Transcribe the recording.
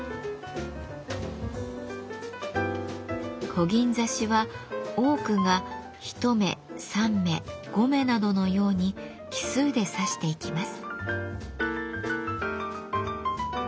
こぎん刺しは多くが１目３目５目などのように奇数で刺していきます。